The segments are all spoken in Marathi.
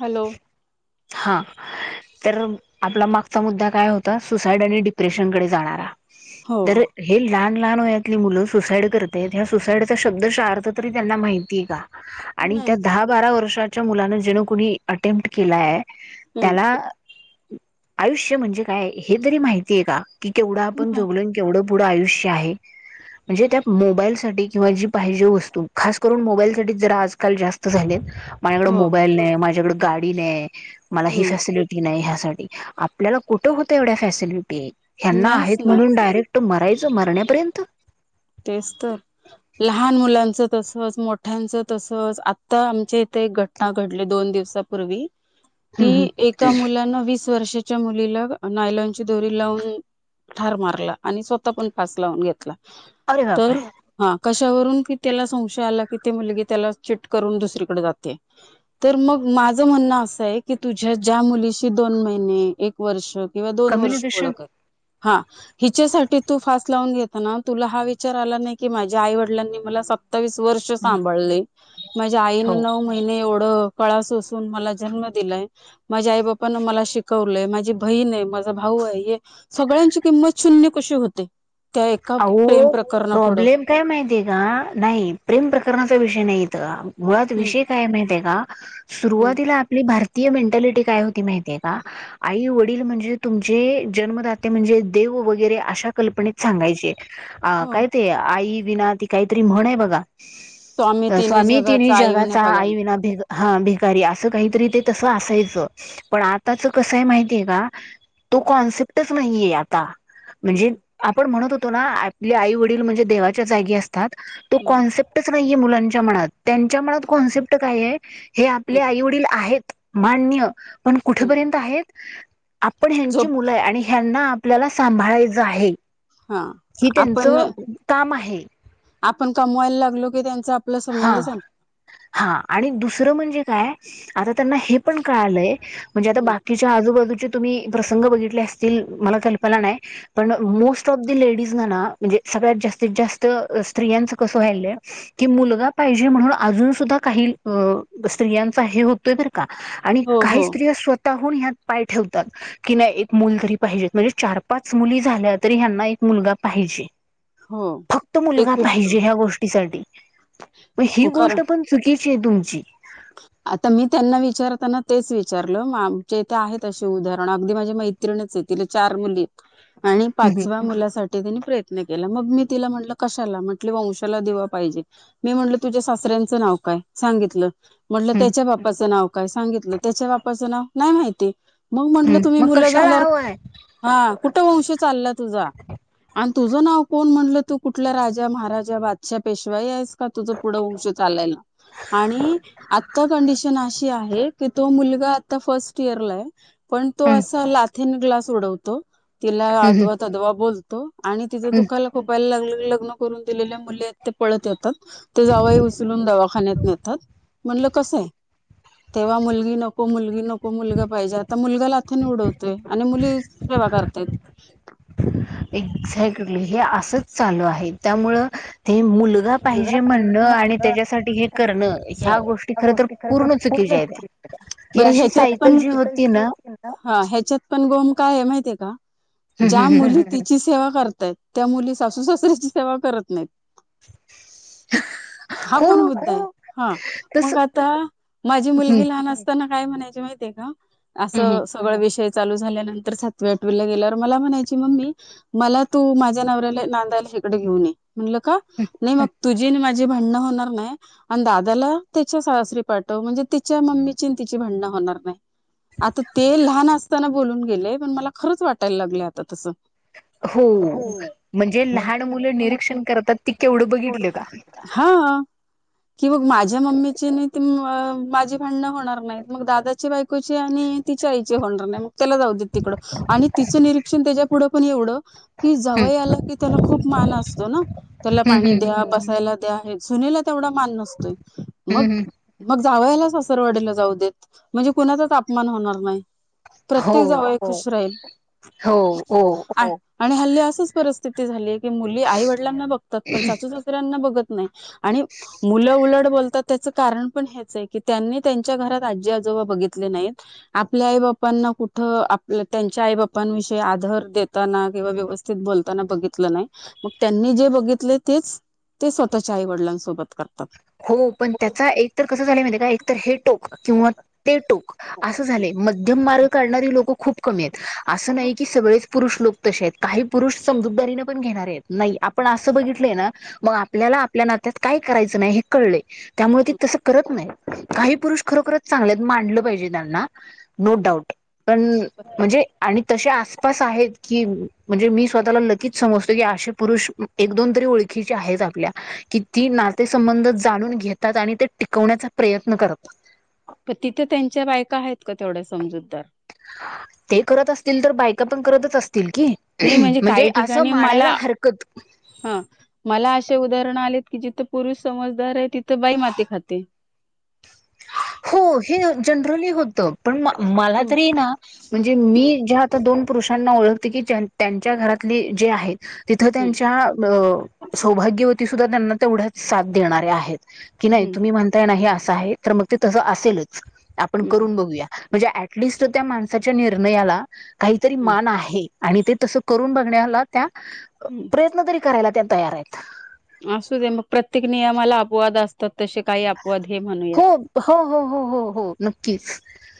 हॅलो हा तर आपला मागचा मुद्दा काय होता सुसाईड आणि डिप्रेशनकडे जाणारा हो जर हे लहान लहान वयातली मुलं सुसाईड करत ह्या सुसाइडचा शब्दशहा अर्थ तरी त्यांना माहितीये का आणि त्या नाही दहा बारा वर्ष त्याच्या मुलान जेणे कोणी अटेम्प्ट केलाय हम्म त्याला आयुष्य म्हणजे काय हे तरी माहितीये का? की केवढा आपण जगलो आणि केवढं पुढ आयुष्य आहे म्हणजे त्या मोबाईल साठी किंवा जी पाहिजे वस्तू खास करून मोबाईल साठी जरा आजकाल जास्त झालेत माझ्याकडं हो मोबाईल नाही माझ्याकडं गाडी नाय मला ही हम्म फॅसिलिटी नाही, ह्या आपल्याला कुठे होत एवढ्या फॅसिलिटी यांना नाहीच आहेत ना म्हणून डायरेक्ट तो मरायच मरण्यापर्यंत तेच तर लहान मुलांच तसंच मोठ्यांच तसंच आता आमच्या इथे एक घटना घडली दोन दिवसापूर्वी हम्म कि हम्म. एका मुलान वीस वर्षाच्या मुलीला नायलॉनची दोरी लावून ठार मारल आणि स्वतः पण फास लावून घेतला. अरे बापरे! तर हा कशावरून कि त्याला संशय आला की ते मुलगी त्याला चिट करून दुसरीकडे जाते तर मग माझं म्हणणं असं आहे की तुझ्या ज्या मुलीशी दोन महिने एक वर्ष किंवा दोन वर्ष कम्युनिकेशन ओळख आहे हा हिच्यासाठी तू फास लावून घेताना तुला हा वि विचार आला नाही की माझ्या आई वडिलांनी मला सत्तावीस वर्ष सांभाळले माझ्या आईन हो नऊ महिने एवढं कळा सोसून मला जन्म दिलाय. माझ्या आई बापान मला शिकवलंय, माझी बहीण आहे, माझा भाऊ आहे हे सगळ्यांची किंमत शून्य कशी होते. त्या एका प्रेम अहो प्रकरण प्रॉब्लेम काय माहितीय का नाही प्रेम प्रकरणाचा विषय नाही इथ मुळात हम्म विषय काय माहितय का? हम्म सुरुवातीला आपली भारती ती मेंटलिटी काय होती माहिती आहे का आई वडील वडील म्हणजे तुमचे जन्मदाते म्हणजे देव वगैरे अशा कल्पनेत सांगायचे. अ हो कायते आई विना ती काहीतरी म्हण आहे बघा. स्वामी तिन्ही जगाचा आई विना भ हा भिकारी असं काहीतरी ते तस असायचं पण आताच कसंय माहितीय का तो कॉन्सेप्टच नाही आहे आता म्हणजे हम्म आपण म्हणत होतो. तो ना आपली आई वडील म्हणजे देवाच्या जागी असत. तो हम्म कॉन्सेप्टच नाही मुलांच्या त मनात त्यांचा मनात कॉन्सेप्ट काय आहे. हे हम्म आपले आईवडील आहेत. मान्य पण हम्म कुठेपर्यंत आहेत आपण ह्यांची झोप मुलं आहे आणि ह्यांना आपल्याला सांभाळायचं आहे हा हि आपण त्यांचं काम आहे आपण का मोईलला लागलो की त्यां हा हा आणि दुसरं म्हणजे काय आता त्यांना हे पण कळालंय म्हणजे आता हम्म बाकीच्या आजूबाजू तुम्ही प्रसंग बघित अस म कल्प नाही पण मोस्ट ऑफ ण सततत्रयां कस व्हाय की मुलगा पाहिजे म्हणून अजून सुद्धा काही स्त्रियांचा हे हो बर का आणि हो हो काही स्त्री हून ह्यात पाय ठेवतात की नाही एक मुल तरी पाहिजेत म्हणजे चार पाच मुली झाल्या तरी ह्यांना एक मुलगा पाहिजे हो फक्त ते मुलगा खूप पाहिजे ह्या गोष्टीसाठी मग ही खरं गोष्ट पण चुकी किची तुमची आता मी त्यांना विचारताना तेच विचारलं आमचे ते आहेत असे उदाहरण अगदी माझी मैत्रिणच आहे तिला चार मुली आणि पाचव्या मुलासाठी नी प्रयत्न केला मग मी तिला म्हलं कशाला म्हटले वंशाला दिवा पाहिजे मी म्हटलं तुझ्या सासऱ्यांचं नाव काय सांगितलं म्हटलं हम्म त्याच्या बाप्पाचं नाव काय सांगितलं त्याच्या वापरचं नाव नाही माहिती मग म्हंटलं हम्म तुम्ही मग मुलं कशाला झाल्यावर हवंय हा कुठे वंश चालला तुझा तुझं नाव कोण म्हणलं तू कुठल्या राजा महाराजा बादशा पेशवाई आहेस का तुझं पुढं वंश चाललाय ना आणि आता कंडिशन अशी आहे की तो मुलगा आता फर्स्ट इयरला आहे पण तो हम्म असा लाथिन ग्लास सोडवतो तिला हम्म अद्वा तद्वा बोलत तो आणि तिचं हम्म दुखाला खोपायला लागलं लग्न करून दिलेल्या मुले आहेत ते पळत येतात ते जावही उचलून दवाखान्यात नेतात म्हणलं कसं आहे तेव्हा मुलगी नको मुलगी नको मुलगा पाहिजे आता मुलगा ला आथ निवडवत आणि मुली सेवा करत तत एक्झॅक्टली हे असंच चालू आहे त्यामुळ ते मुलगा पाहिजे म्हणणं आणि त्याच्यासाठी हे करणं ह्या गोष्टी खर तर पूर्ण चुकीच्या आहेत्या कि बरं अशी ह्याच्यात सायकल पण जी होती ना काये माहितीये का हम्म ज्या हम्म हम्म मुली तिची तेवा करतायत त्या मुली सासू सासऱ्याची सेवा करत नाहीत हा हो पण मुद्दा आहे हा तस मग आता माझी हम्म मुलगी लहान असताना काय म्हणायची माहितीय का हम्म हम्म असं सगळं विषय चालू झाल्यानंतर सातवी आठवीला गेल्यावर मला म्हणायची मम्मी मला तू माझ्या नवऱ्याला नांदायला हिकड घेऊन ये म्हणल का नाही मग तुझी आणि माझी भांडणं होणार नाही आणि दादाला त्याच्या सासरी पाठव म्हणजे तिच्या मम्मीची आणि तिची भडणं होणार नाही आता ते लहान असताना बोलून गेले पण मला खरंच वाटायला लागलय आता तसं हो म्हणजे लहान मुलं निरीक्षण करतात ती केवढं बघितलं का हा हा कि मग माझ्या मम्मीची नाही ती अ माझी भांडणं होणार नाही मग दादाची बायकोची आणि तिच्या आईचे होणार नाही मग त्याला जाऊ द तिकडं आणि तिचं निरीक्षण त्याच्या पुढं पण एवढं कि हम्म जावई आला की त्याला खूप मान असतो ना ला हम्म पाणी हम्म द्या बसाय आ दया सुनेला तेवढा मान नसतोय मग हम्म हम्म मग जावयाला सारवाडीला जाऊ देत म्हणजे कुणाचाच आपमान होणार नाही हो प्रत्येक जावई खुश राहील हो हो आणि हल्ली असच परिस्थिती झालीय की मुली आई वडिलांना बघ पण सासु सासरयाना बघत नाहीत आणि मोठा उलट बोलतात त्याच कारण पण हेच की त्यांनी त्यांच्या घरात आजी आजोबा बघितले नाहीत आपल्या आई बापाना कुठ आप त्यांच्या आई बांबाविषयी आदर देताना किंवा व्यवस्थित बोलताना बघितल नाही मग त्यांनी जे बघि तेच ते स्वतःच्या आई वडिलांसोबत कर हो पण त्याचा एक तर कस झालंय माहितय काय एकतर हे टोप किंवा ते टोक असं झालेय मध्यम मार्ग काढणारी लोक खूप कमी आहेत अस नाही की सगळेच पुरुष लोक तशे आहेत काही पुरुष समजूदारी पण घेणार आहेत नाही आपण असं बघितलंय ना मग आपल्याला आपल्या त्यात काय करायचं नाही कळले. त्यामुळे ते तसं करत नाही. काही पुरुष खरोखरच चांगल्यात मानलं पाहिजे त्यांना नो डाऊट पण म्हणजे आणि तसे आसपास आहेत की म्हणजे मी स्वतःला लकीच समजतो की असे पुरुष एक दोन तरी ओळखी आहेत आपल्या की ती नातेसंबंध जाणून घेतात आणि ते टिकवण्याचा प्रयत्न करतात. तिथं त्यांच्या बायका आहेत का तेवढ्या समजूतदार? ते करत असतील तर बायका पण करतच असतील. की नाही म्हणजे काही असं ठिकाणी मला मानायला हरकत ह मला असे उदाहरण आले! कि जिथं पुरुष समजदार आहे, तिथं बाई माती खाते हो हे जनरली होतं पण मला हम्म तरी ना म्हणजे मी हम्म जे आता दोन पुरुषांना ओळखते की ज त्यांच्या घरातले जे आहेत? तिथं हम्म त्यांच्या अ सौभाग्यवती सुद्धा त्यांना तेवढ्याच साथ देणारे आहेत. कि नाही तुम्ही हम्म म्हणता हे अस साहेब तर मग ते तसं असेलही आपण करून बघूया म्हणजे ऍटलिस्ट त्या माणसाच्या निर्णयाला काहीतरी हम्म मान आहे आणि ते तस करून बघ आला [unintelligible] त्या हम्म प्रयत्न तरी करायला त्या तयार आहेत. असू दे, मग प्रत्येक नियमाला अपवाद असतात. तसे काही अपवाद हे हो म्हणूयात हो हो हो हो हो नक्कीच,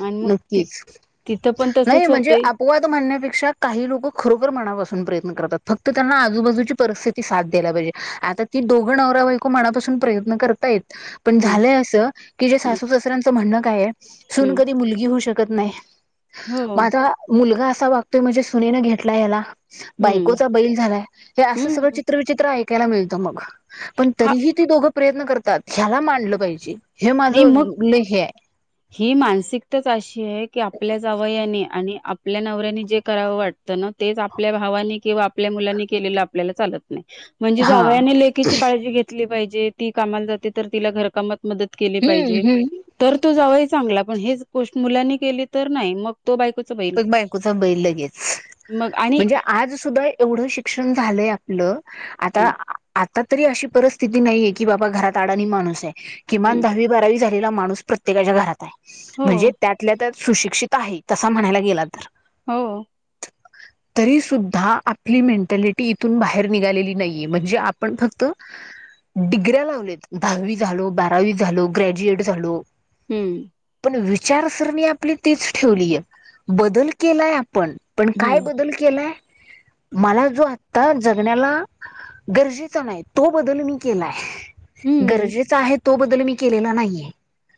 आणि मग ति नक्कीच, तिथं पण नाही तसच म्हणजे होतंय अपवाद मानण्यापेक्षा काही लोक खरोखर मनापासुन प्रयत्न करतात फक्त त्यांना आजूबाजूची परिस्थिती साथ द्यायला पाहिजे आता ती दोघं नवराबायको मनापासून प्रयत्न करतायत पण हम्म झालंय असं की जे हम्म सासू सासऱ्याच म्हणणं काय आहे सून हम्म कधी मुलगी होऊ शक कत नाय हो माझा मुलगा असं क वागतोय म्हणजे सुनेने घेतलाय याला हम्म बायकोचा बैल झालाय हे असं सगळं हम्म चित्र विचित्र ऐक कायला मिळत मग पण हा तरीही ती दोघं प्रयत्न कर तात ह्याला णलं पाहिजे. हे नाही मग माझं लय हे आहे ही मानसिकताच अशी हाय की की आपल्या जावंयाने आणि आपल्या नवऱ्यानी जे करावं वाटतं ना तेच आपल्या भावानी किंवा आपल्या मुलांनी केलेलं आपल्याला चालत म्हणजे हा जावयाने लेकीची काळजी घेतली पाहिजे ती कामाला जाते तर तिला घरकामात मदत केली हम्म पाहिजे हम्म तर तू जा चांगला पण हेच गोष्ट मुलांनी केली तर नाही मग तो बायकोच बैल. बायकोचा बैल लगेच मग आणि म्हणजे आज सुद्धा एवढं शिक्षण झालंय हॅलो आता हम्म आता तरी अशी परिस्थिती नाहीये की बाबा घरात अडाणी माणूस हाय किमान हम्म दहावी बारावी लेला माणूस प्रत्येकाच्या घरात हाय हो म्हणजे त्यातल्या त्या सुशिक्षित आहे तसं म्हणायला गेला तर हो तरी सुद्धा आपली मेंटॅलिटी इथून बाहेर निघालेली नाहीये म्हणजे आपण फक्त डिग्र्या लावलेत दहावी झालो बारावी झालो ग्रॅज्युएट झालो हम्म पण विचारसरणी आपली तीच ठेवलीय बदल केलाय आपण पण हम्म काय बदल केलाय मला जो आत्ता जगण्याला गरजेचा नाही तो बदल मी केलाय हम्म गरजेच आहेत तो बद्दल मी केलेला नाहीे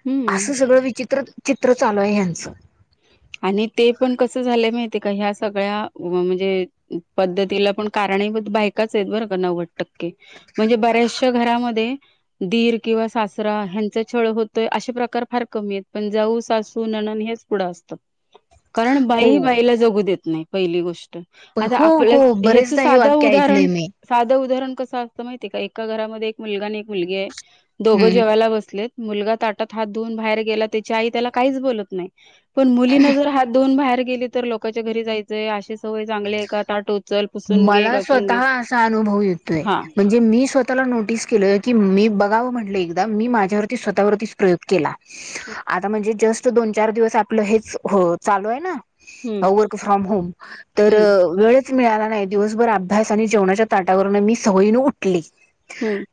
हम्म. असं सगळं विचित्र चित्र चालू आहे ह्यांचं. आणि तेपण कस झालंय माहिती हाय का, ह्या सगळ्या म म्हणजे पद्धतीलापण कारणीभूत बायकाच आहेत, बरं का नव्वद टक्के. म्हणजे बऱ्याचशा घरामध्ये दिर किंवा सासरा ह्यांचा छळ होतोय, असे प्रकार फार कमी आहेत. पण जाऊ, सासू, ननंद हेच पुढं अस [unintelligible] कारण बाई हो ही बाईला जगू देत नाही. पहिली गोष् आता हो आपल्याच हो हेच बरेचदा हे साधं वाक्य उदाहरण, ऐकलंय मी साधं उदारण कसं असतं माहिती हाय का, एका घरामध्ये एक मुलगा आणि एक मुलगी आहे. दोघं हम्म. जेवायला बसलेत मुलगा ताटात हात धुवून बाहेर गेला, त्याची आई त्याला काहीच बोलत नाही. पण मुलीना जर हात धुवून बाहेर गेली तर लोकांच्या घरी जायचंय, अशी सवय चांगली हाय का? ताट उ मला स्वतः असा अनुभव येतोय, हा म्हणजे मी स्व ताला नोटीस केलोय, की मी बघावं म्हटलं, एकदा मी माझ्यावरती स्वतःवरतीच प्रयोग केला. आता म्हणजे जस्ट दोन चार दिवस आपलं हेच चालू आहे ना हम्म वर्क फ्रॉम होम. तर हम्म वेळ मिळाला नाही. दिवसभर अभ्यास आणि जेवणाच्या ताटावरून मी सवयीनं उठले. हम्म.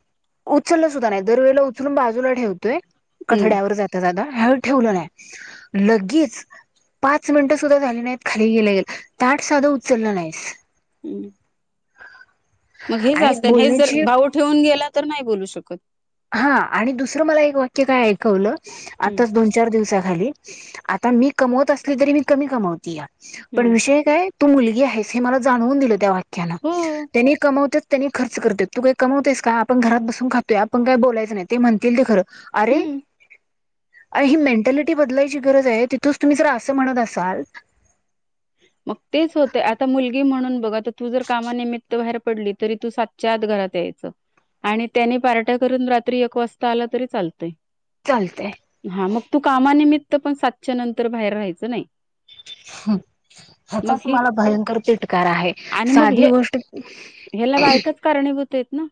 उचललंसुद्धा नाही. दरवेळेला उचलून बाजूला ठेवतोय हम्म कठड्यावर जाता जाता. ह्यावेळी ठेवलं नाही. लगेच पाच मिनटंसुद्धा झाली नाहीत, खाली गेलेले. ताट साधं उचललं नाहीस. हं. मग हेच आणि असतं, ना हेच जर बोलण्याची भाऊ ठेवून गेला तर नाही बोलू शकत. हा आणि दुसरं मला एक वाक्य काय ऐकवलं हम्म आताच दोन चार दिवसाखाली. आता मी कमवत असली, तरी मी कमी कमवत्या. पण हम्म विषय काय? तू मुलगी आहेस, हे मला जाणवून दिलं त्या वा क्यानं. हो तेनी कमवत्यात त्यांनी खर्च करतेत. तू काही कमवतेस का? आपण घरात बसून खातोय. आ पण काय बोलायचं नाही, ते म्हणतील ते खरं. अरे, हम्म अ ही मेंटॅलिटी बदलायची गरज आहे, तिथंच तुम्ही जर असं म्हणत असाल मग तेच होतंय. आता मुलगी म्हणून बघा तू जर कामानिमित्त बाहेर पडली, तरी तू सातच्या आत घरात यायचं. आणि त्याने पार्ट्या करून, रात्री एक वाजता आलं तरी चालतंय. चालतेय हा मग तू कामानिमित्त पण सातच्या नंतर बाहेर राहायचं नाही हम मग ह्याचाच ही मला भयंकर तिटकार आहे आणि मग साधी हे गोष्ट ह्याला बायकाच कारणीभूत आहेत ना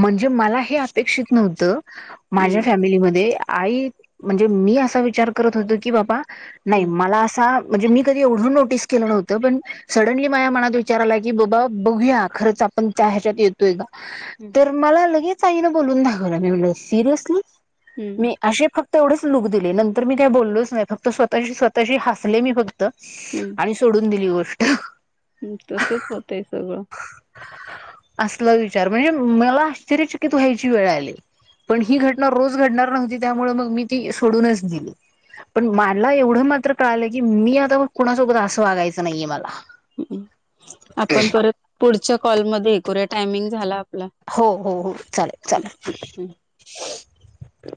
म्हणजे मला हे अपेक्षित नव्हतं माझ्या हम्म फॅमिलीमध्ये आई म्हणजे मी असा विचार करत होतो की बाबा नाही हम्म मला असा म्हणजे मी कधी एवढं नोटीस केलं नव्हतं पण सडनली माझ्या मनात विचार आला की बाबा बघूया खरंच आपण च ह्याच्यात येतोय का तर मला लगेच साईन बोलून दाखवला मी म्हण सिरियसली हम्म मी अे फक्त तेवढेच लूक दिले नंतर मी काय बोललच नाही फक्त स्वतः स्वतःशी हसले मी होते आणि सोडून दिली गो हम् तसच होतंय सगळं असलं विच चार म्हणजे मला आश्चर्यचकित व्हायची वेळ आली पण ही घटना रोज घडणार नव्हती त्यामुळे मग मी ती सोडूनच दिली पण मला एवढं मात्र कळालं की मी आता मग कुणासोबत असं वागायचं नाहीये मला ह् आपण परत पुढच्या कॉलमध्येध्ये एकू्या टायमिंग झाला आपला हो हो हो चालेल हम्म हम्म हम्म. चालेल